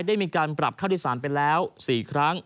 ได้มีการปรับค่าโดยสารไปแล้ว๔ครั้ง